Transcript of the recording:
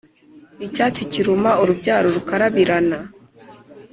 icyatsi kiruma, ururabyo rukarabirana,